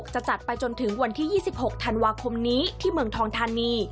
จะจัดไปจนถึงวันที่๒๕นนนนนน